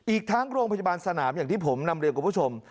อีกทั้งโรงพยาบาลสนามอย่างที่ผมนำเรียนคุณผู้ชม